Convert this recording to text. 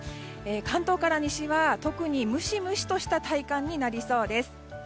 関東から西は特にムシムシとした体感になりそうです。